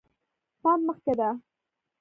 پمپ مخکې ده